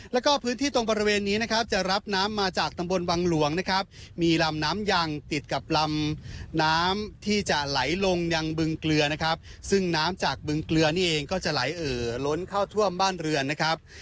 แล้วก็พื้นที่ตรงบริเวณนี้นะครับจะรับน้ำมาจากตำบลวังหลวงนะครับมีลำน้ำยังติดกับลำน้ำที่จะไหลลงยังบึงเกลือนะครับซึ่งน้ำจากบึงเกลือนี่เองก็จะไหลเอ่อล้นเข้าท่วมบ้านเรือนนะครับ